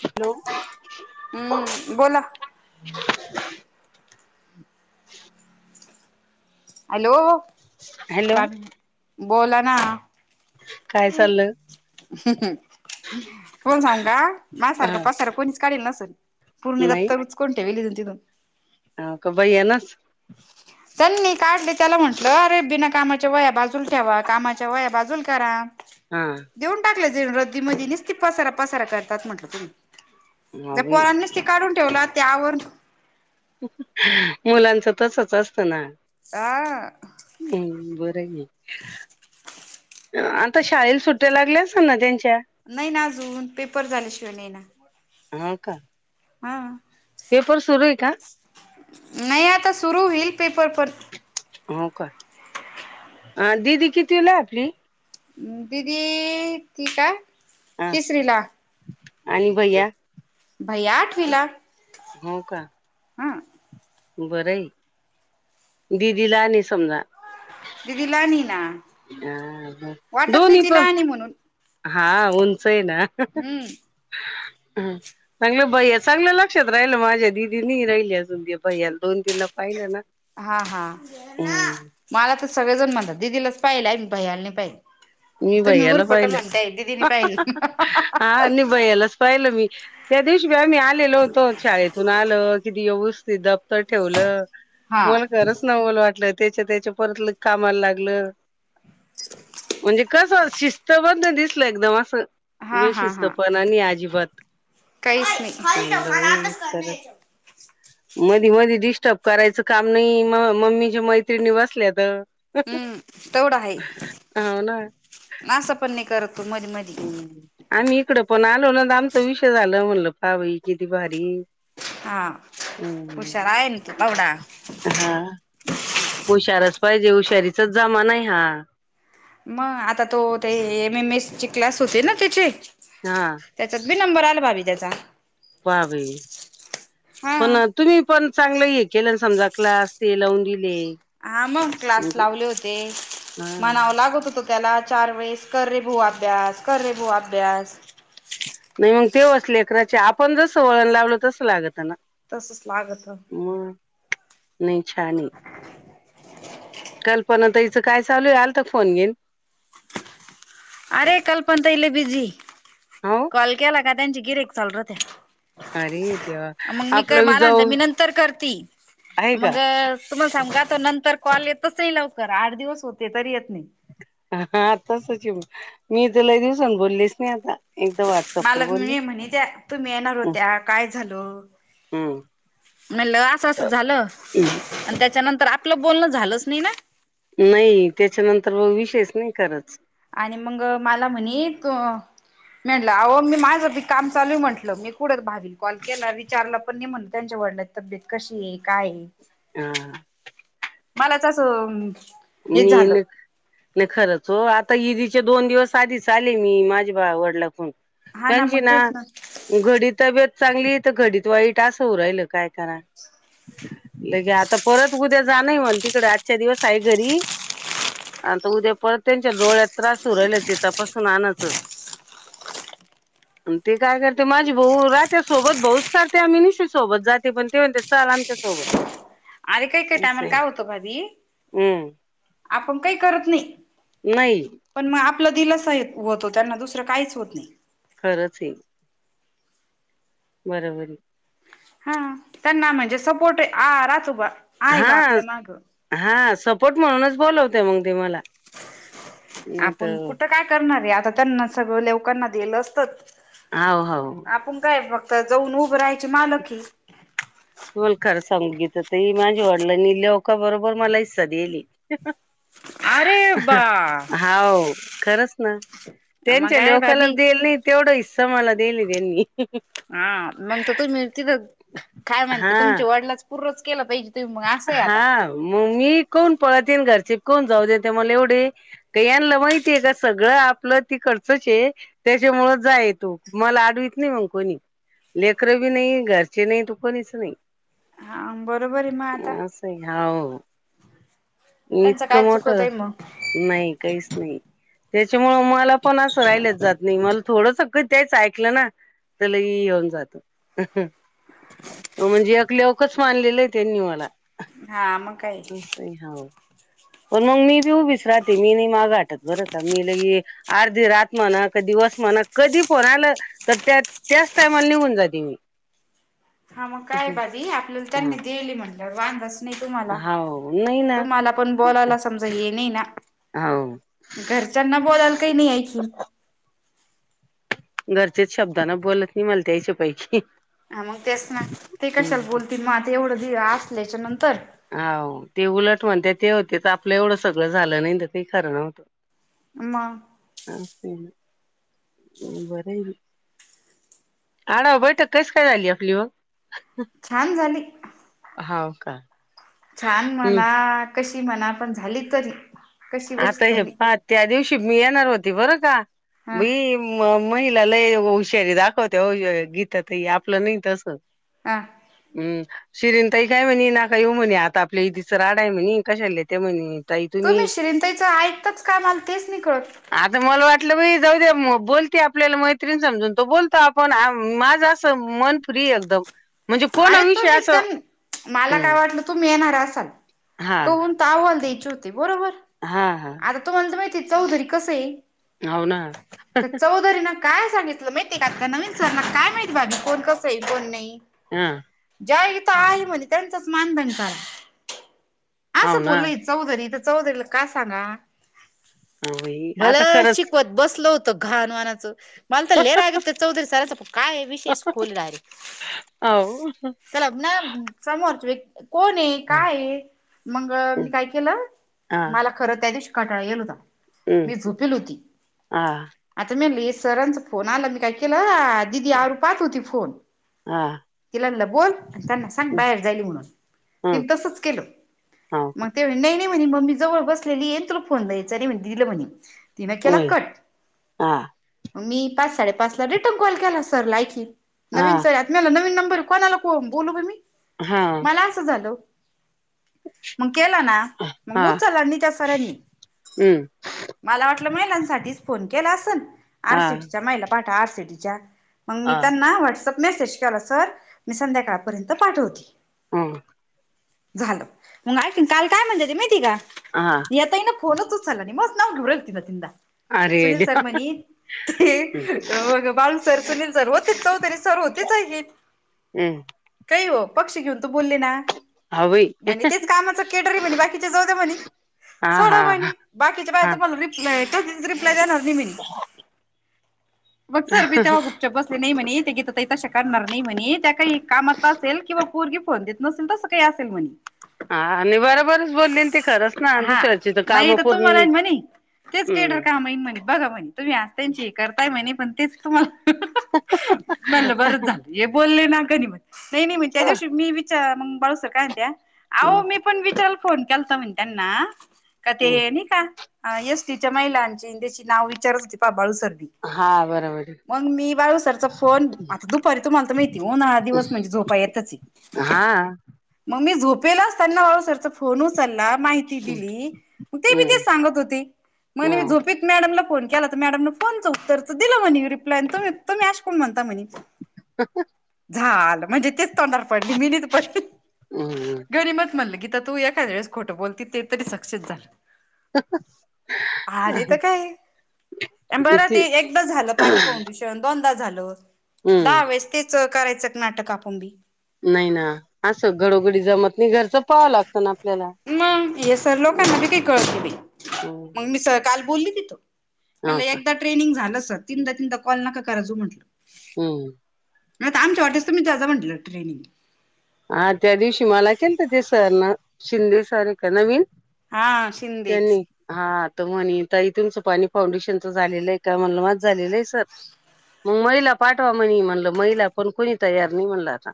Hello! हम्मं बोलां hello! Hello बोलां नां. काय चाललं? तुम्हाला सांगू का? माझ्या सारखा हा पसारा कोणीच काढेल नसलं, पूर्ण दप्तर उचकुन ठेवला आहे ईकूण तिकून. हाव का, भैय्या नच? त्यांनी काढले, त्यांला म्हटलं अरे बिनाकामा च्या वह्या बाजूल ठेवा, कामाच्या वह्या बाजूला करा. हा देऊन टाकलं जाईल रद्दीमधी, निसती पसारा पसारा करतात म्हटलं तुम्ही, जर ह पोरांनी ते काढून ठेवल ते आवरण मुलांचं तसच असतं ना. आ हम्म बरंय की. आता शाळेल सुट्ट्या लागल्या असलं ना त्यांच्या? नाही ना अजून पेपर झाल्याशिवाय नाही ना. हाव का हा पेपर सुरू ये का? नाही आता सुरू होईल पेपर पण हो का? अ दीदी कितवीला आहे आपली? दीदी ती का? आ आणि भैया? भैय्या आठवीला, हा बरंय दिदी लहान आहे समजा दिदी लहानी आहे ना आ मंग वाटत नाही दोन्ही ती पण लहान आहे म्हणून हा उंच आहे ना. हम्म चांगलं भैय्या चांगलं लक्षात राहिलं माझ्या दिदी नी राहिली अजून ते भैय्याल दोन तीनदा पाहिलं ना. हा हा, हम्म मला तर सगळेजण म्हणतात, दिदीलाच पाहिलं आहे आम्ही भैय्याला नाही पाहिलं. मी तुम्ही भैय्याला उरफोट पाहिलं, म्हणताय दिदीने पाहिलं हा आणि भैय्यालाच पाहिलं मी, त्या दिवशी बी आम्हीआलेलो होतो, शाळेतून आल किती व्यवस्थित दप प्तर ठेवलं, हा मला खरंच नवल वाटलं त्याच्या त्याच्या परत लगे कामाला लागलं. म्हणजे कसं शिस्तबद्द दिसल एकदम असं, हा हा हा बेशिस्तपणा नी अजिबात. काहीच नाही, ओय खाली ठेव म्हणलं मला बाई अभ्यास करणे खरंच याच्यावर. मधी मधी डिस्टर्ब करायचं काम नाही म मम्मीच्या मैत्रिणी बसल्या त. हम्म तेवढा हाय ना असं पण नाही करत तो मधी मधी. आम्ही इकडं पण आलो ना त आमचा विषय झाला म्हणलं पहा बाई किती भारी. हा हुशार हम्म आहे न तो तेवढा. हा हुशारच पाहिजे हुशारीचाच जमाना आहे हा. मग आता तो ते एम एम एस ची क्लास होते न तेचे हा त्याचात बी नंबर आला भाभी त्याचा. पहा बाई पण हा तुम्ही पण चांगलं हे केलं न समजा क्लास ते लावून दिले. हा मंग क्लास म्हणजे लावले होते, हा म्हणावं लागत होत त्याला चार वेळेस कर रे भुवा अभ्यास, कर रे भुवा अभ्यास हम्म तेंव्हाच लकराचे आपण जसं वळण लावलं तसं लागत ना. तसंच लागत. हम्म नाही छान हे. कल्पना ताईच काय चालू ये आलता फोन बिन? अरे कल्पंना ताई लय बिझी हो कॉल केला का त्यांची गिरेक चालू रहात्यात. अरे देवा मंग आपलं बी मला जाऊ मी नंतर करती आहे मंग का तुम्हाला सांगू का तो नंतर कॉल येतच नाही लवकर आठ दिवस होते तरी येत नाही. हा तसंच ये मग मी तर लई दिवसान बोललीच नाही आता एकदा वाट मला [unintelligible] मी म्हणीत्या तुम्ही येणार होत्या काय झालं?? हम्म म्हणलं असं असं झालं हम्म. आणि त्याच्यानंतर आपलं बोलणं झालंच नाही ना.. नाही त्याच्यानंतर मग विषयच नाही खरंच. आणि मग मला म्हणे तु मी म्हणलं अहो मी माझं बी काम चालूये म्हटलं मी कुठच भाभीन कॉल केला विचारला पण नाही म्हण त्यांच्या वडलांची तब्येत कशीये काय ये?? हं मलाच आस [unintelligible] नाही खरंच हो आता ईदीचे दोन दिवस आधी च आले मी माझ्या [unintelligible] वडला फोन हा मग त्यांची ना तेच घडीत तब्बेत चांगलीये तर घडीत वाईट असं होऊन राहील काय करा लगे आता परत उद्या जान आहे मला तिकड आजच्या दिवस आहे घरी. आता उद्या परत त्यांच्या डोळ्यात त्रास हुन राहिल ते तपासून आणायचं. ते काय करते माझी भाऊ राहत्या सोबत भाऊच काढते आम्ही निशु सोबत जाते पण ते म्हणते चल आमच्या सोबत. अरे एका एका असं टाईमाला आहे काय होत भाभी?? हम्म.. आपण काही करत नाही. नाही.. पण मग आपला दिलासा ये होतो त्यांना दुसरं काहीच होत नाही. खरंच ये. बरोबर ये. हा त्यांना म्हणजे सपोर्ट आ राहातो बा. आहे बा हा आपल्या माग हा सपोर्ट म्हणूनच बोलवतोय मंग त्यो मला. नाही आपण तर कुठं काय करणार ये आता त्यांना सगळं लवकांना दिलं असत. हाव हाव. आपून काय फक्त जाऊन उभं राहायची मालकी. तुम्हाला खरं सांगू गीता ताई माझ्या वडलांनी लेका बरोबर मला हिस्सा दियेले. अरे बा हाव खरंच ना. मग त्यांच्या काय ल्योकालाचं भाभी देलं नाही तेवढा हिस्सा मला देयेली त्यांनी. हा मंग तर तुम्ही तिथं काय म्हणता हा तुमच्या वडलाचं पूर्णच केलं पाहिजे तुम्ही मग असंय आता. हा मग मी कोण पळत येईन घरचे कोण जाऊ देेते मला एवढे. ते यांला माहितीय का सगळं आपलं तीकडचचं ये. त्याच्यामुळं जाय तू मला आडवीत नाही मंग कोणी. लेकरं बी नाही घरचे नाहीत कोणीच नाही. हां, बरोबर आहे म असंय हाव, त्यांचं इतकं काय चुकत मोठं आहे मग नाही काहीच नाही, त्याच्यामुळं मलापण असं राहिलंच जात नाही, मला थोडंस काही त्यायच ऐकलं ना तर लई हे होऊन जातं. म्हणजे एक ल्योकच मानलेलं आहे त्यांनी मला. हा, मंग काय? बई हाव, पण मंग मी बी उभीच राहते मी नाही मागं हाटत बरं का मी लई ये अर्धी रात म्हणा, क दिवस म्हणा, कधी फोन आलं तर त्या त्याच टाईमाला निघून जाते मी. हा, मग काय भाभी आपल्याला त्यांनी देयले म्हणल्यावर वांदच नाही तुम्हाला, हा हो नाही ना तुम्हाला पण बोलायला समजा हे नाही ना. हो घरच्यांना बोलायला काही नाही ऐखीन. घरचेच शब्दानं बोलत नाही मला त्यायच्या पैकी. हा, मग तेच ना ते कशाला बोलतील मग आता एवढं दि असल्याच्या नंतर. हाव, ते उलट म्हणते ते होते तरं आपलं एवढं सगळं झालं, नाही तर काही खरं नव्हतं. मग असंय ना मंग बरं आहे ना? आढाव बैठक कसं काय झाली आपली मग? छान झाली. हाव का. छान हम्म म्हणा कशी म्हणा पण झाली तरी. कशी बशी आता हे झाली पा त्या दिवशी मी येणार होती बरं का, हा मी म महिला लय हुशारी दाखवत्या, ओय ओ गीता ताई आपलं नाही तसं. आ. हम्म. शिरीन ताई काय म्हणी, नका येऊ म्हणी, आता आपल्या इथीचं राड आहे म्हणी, अन कशाला येत्या म्हणी. तुम्ही शिरीन ताईच ऐकताच का? मला तेच नाही कळत. आता मला वाटलं बाई जाऊ दे, मो बोलती आपल्याला मैत्रीण समजून तो बोलतो आपण, आम माझं अस असं मन फ्री एकदम म्हणजे कोणा अरे विषयी तुम्ही असं त्यां मला हम्म. काय वाटलं तुम्ही येणार असाल, हा काहुन तर अहवाल द्यायची होती बरोबर. हा हा. आता तुम्हाला तर माहितीये चौधरी कसं आहे, हाव ना तर चौधरी ना काय सांगितलं माहिती आहे का? आता नवीन सरना काय माहित भाभी कोण कसं आहे, कोण नाही. हा. ज्या [unintelligible] इथं आहे म्हणे त्यांचंच मानधन करा. हाव असं ना बोलनंय चौधरी इथं चौधरीला काय सांगा हा बाई आता भलं खरंच शिकवत बसलं होतं घाण वाणाचं. मला तर लई राग येतो त्या चौधरी सराचा, पण काय विशेष खोले डायरेक्ट. हो त्यालाब ना समोरची व्यक् कोण आहे हं, काय आहे. मंग अ... मी काय केलं, हा मला खरं त्या दिवशी कटाळा येईल होता. हम्म मी झोपेल होती, हा आता म्या [unintelligible] ये सरांचा फोन आला मी काय केलं आ दिदी आरू पाहत होती फोन, हा तिला म्हणलं बोल आणि त्यांना सांग बाहेर जाईली म्हणून, हा तिनी तसंच केलं. हाव का मग ते नाही नाही म्हणे मग ममी जवळ बसलेली येन तुला फोन द्यायच नाही म्हणती दिलं म्हणे. तिनं केला व्हय कट. हा मी पाच साडेपाच कॉल केला सरला एकी, हा नवीन सर ला नवीन नंबर कोणाला को बोलू बाई मी,, हा मला असं झालं. मग केला ना, मग हा उचलला नै त्या सरांनी. हम्म मला वाटलं महिलांसाठीच फोन केला असल,, हा आरसीटीच्या महिला पाठा आरसीटीच्या मग मी हा त्यांना व्हॉट्सअप मेसेज केला सर, मी संध्याकाळपर्यंत पाठवते. हां. झालं, मग ऐकना काल काय म्हणलेली माहितेय का? हा. नियता इन फोनच च सुच [unintelligible] सला मस् ग घडरतीन तिंद अरे सुनील देवा सर्रमनी [unintelligible] ते हम्म मग बालूसर सुनील सर होतेच चौधरी सर होतेच आही हम्म. काहीओ, पक्षी घेऊन तू बोलली ना हाव बाई म्हणे तेच कामाचा केटरी म्हणे बाकीचे जाऊ दे म्हणे. हा सोडा हा मणी, बाकीच्या बाया हा तुम्हाला रिप्लाय त तच रिप्लाय देणार म्हणे,, मग सरबी तेवा बस नाही म्हणे, ते गीता तशा शकणार नाही म्हणे, त्या काही कामात असेल किंवा पूरगी फोन दे नसेल तसं काही असेल म्हणे. हा, आणि बराबरच बोलले ते. हा,, नाही तर तूमाला आहे म्हणे,, तेच केडर हम्म. कामहीन म्हणे. बघा म्हणे, तुम्ही आज त्यांची हे करताय म्हणे पण तेच तुम्हाला,, म्हणलं बरंच झालं. हे बोलले ना कधी,, नाही मग नाही नाही मग त्या दिवशी मी विचार मग बाळसत काय त्या अहो मी पण विचाराला फोन केलता म्हणे त्यांना, का ते नाही का अ यस तिच्या महिलांचे त्याची नाव विचारत होते पा बाळू सर. हा बरोबर. आहे म्हणून मी बाळूसरचा फोन, आता दुपारी तुम्हाला तर माहिती ऊन्हाळा दिवस म्हणजे झोपा येतचे. हां. मग मी झोपेला असताना बाळू सरचा फोन उचलला माहित ती दिली,, म ते बी हम्म तेच सांगत होती, म्हणे हा मी झोपत मॅडमला फोन केला तर मॅडमने फोनचं उत्तरचं दिलं म्हणे,, रिप्लाय आणि तुमी अशा काऊन म्हणता म्हणे. [unintelligible] झालं, म्हणजे तेच तोंडार पडली मिनैच पडली. हम्म री मत म्हणलं गीता तू एखाद वळेस खोटं बोलती ते तरी सक्षित झालं. [unintelligible] अरे तर काय,, बरं ती ते एकदा झालं पाणी पाहून भुषण दोनदा झालं, हम्म दहा वेळेस तेच करायचं का नाटक आपण बी. नाही ना,, असं घडोघडी जमत नाही, घरचं पाहावं लागतं ना आपल्याला. मंग,, हे सर हम्म, लोकांना बी काही कळत नाही बई,, हम्म. मग मी स काल बोलली तीत हो म्हणलं का एकदा ट्रेनिंग झालं सर,, तीनदा तीनदा कॉल नका करा जू म्हटलं. हम्म. आता आमच्या वाटणीच तुम्हीच जात जा म्हणलं, ट्रेनिंग हा त्या दिवशी मला केलतं त्या सरनं,, शिंदे सर आहे का नवीन.? हा शिंदेच. त्यांनी हा, तर म्हनी ताई तुमचं पाणी फाउंडेशनचं झालेलं आहे का,, म्हणलं माझं झालेलंय सर. मग महिला पाठवा म्हणी म्हणलं, महिला पण कोणी तयार नाही म्हणलं आता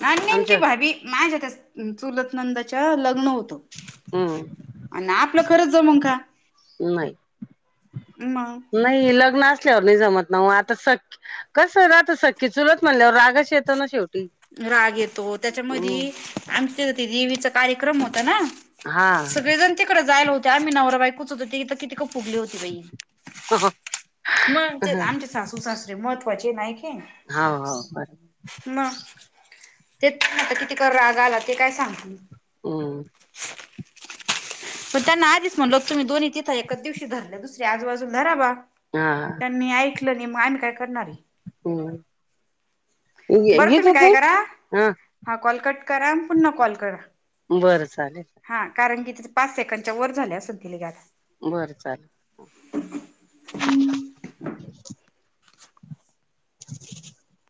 नाही आमच्या नेमकी, भाभी माझ्या त्या चुलत नणंदाच्या लग्न होतं. हम्म आणि आपलं खरंच जमन का? नाही मग? नाही, लग्न असल्यावर नाही जमत ना आता सख्य कसं राहतं, सख्खी-चुलत म्हणल्यावर रागच येतो ना शेवटी. राग येतो, हम्म त्याच्यामध्यी आमच्या देवीचा कार्यक्रम होता ना? हा सगळे जण तिकडे जायला होते, आम्ही नवरा-बायकोच होतो तर इथं कितीक फुगली होती बाई. हंह मग ते आमचे सासू सासरे महत्त्वाचे नाही की? हा हो बरोबर. मग तेच आता किती कर रागा आला ते काय सांगती हं पण त्यांना आधीच म्हणलो, तुम्ही दोघी तिथं एकाच दिवशी धरलं, दुसरी आजूबाजू धरा बा हा त्यांनी ऐकलं नाही मग आम्ही काय करणारे? हं बरं तुम्ही काय येतेत करा हा हा कॉल कट करा, पुन्हा कॉल करा. बरं चालेल. हा कारण की पाच सेकंडच्या वर झाले असेल ती याला. बरं चालेल. [inaudible]